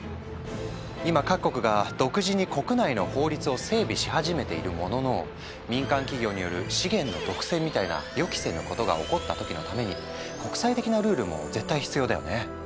今各国が独自に国内の法律を整備し始めているものの民間企業による資源の独占みたいな予期せぬことが起こった時のために国際的なルールも絶対必要だよね。